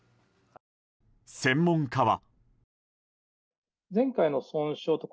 専門家は。